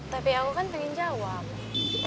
tapi aku kan pengen jawab